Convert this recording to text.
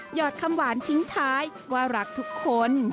หอดคำหวานทิ้งท้ายว่ารักทุกคน